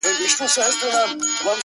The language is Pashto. د ملا لوري نصيحت مه كوه ـ